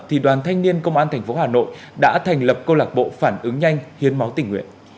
thì đoàn thanh niên công an thành phố hà nội đã thành lập cô lạc bộ phản ứng nhanh hiến máu tình nguyện